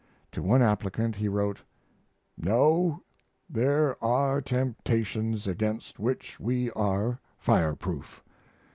To one applicant he wrote: No, there are temptations against which we are fire proof.